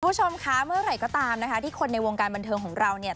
คุณผู้ชมคะเมื่อไหร่ก็ตามนะคะที่คนในวงการบันเทิงของเราเนี่ย